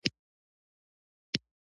مځکه د ژوندانه لوی نعمت دی.